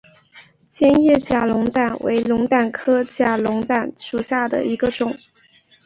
尖叶假龙胆为龙胆科假龙胆属下的一个种。